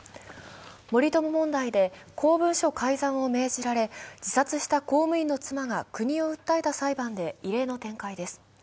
森友問題で公文書改ざんを命じられ自殺した公務員の妻が国を訴えた裁判で異例の展開です。